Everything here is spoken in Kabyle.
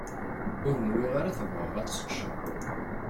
Ur nwiɣ ara tebɣa ad tečč.